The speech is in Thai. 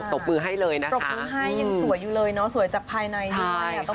บมือให้เลยนะคะปรบมือให้ยังสวยอยู่เลยเนาะสวยจากภายในเลย